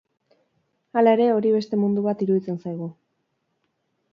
Hala ere, hori beste mundu bat iruditzen zaigu.